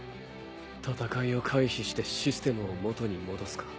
戦いを回避してシステムを元に戻すか。